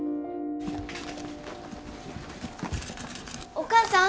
お母さん。